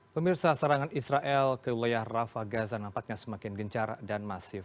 pemirsa serangan israel ke wilayah rafa gaza nampaknya semakin gencar dan masif